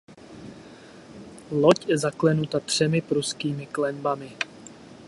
Loď zaklenuta třemi pruskými klenbami.